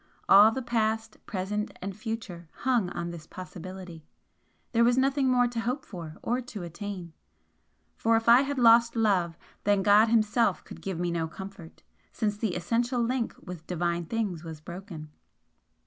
All the past, present and future hung on this possibility, there was nothing more to hope for or to attain. For if I had lost Love, then God Himself could give me no comfort, since the essential link with Divine things was broken.